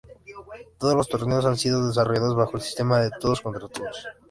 Todos los torneos han sido desarrollados bajo el sistema de todos contra todos.